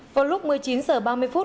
vào lúc một mươi chín h ba mươi phút